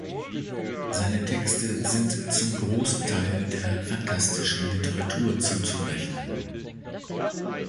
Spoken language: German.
Seine Texte sind zum großen Teil der phantastischen Literatur zuzurechnen.